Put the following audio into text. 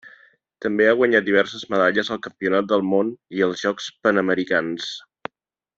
També ha guanyat diverses medalles al Campionat del Món i als Jocs Panamericans.